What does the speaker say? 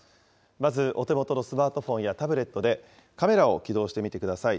まずお手元のスマートフォンやタブレットで、カメラを起動してみてください。